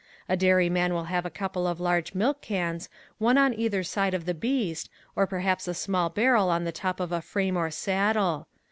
A dairyman will have a couple of large milk cans, one on either side of the beast, or perhaps a small barrel on the top of a frame or saddle.